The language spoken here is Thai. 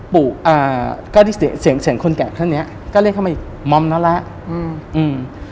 ปุ๊บอ่าก็ได้เสียงเสียงคนแก่เท่านี้ก็เรียกเข้ามาอีกมอมแล้วละอืมอืม